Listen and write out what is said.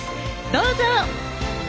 どうぞ！